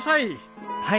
はい。